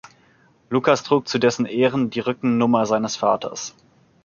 Lukas trug zu dessen Ehren die Rückennummer seines Vaters.